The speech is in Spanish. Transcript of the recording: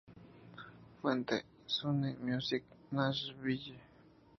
Fuente: Sony Music Nashville